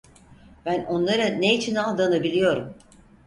Ben onları ne için aldığını biliyorum.